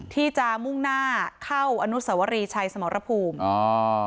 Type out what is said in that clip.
ที่จะมุ่งหน้าเข้าอนุสวรีชัยสมรภูมิอ๋อ